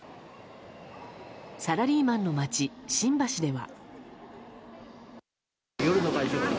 サラリーマンの街・新橋では。